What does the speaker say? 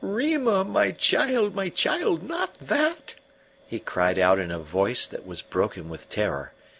"Rima my child, my child, not that!" he cried out in a voice that was broken with terror.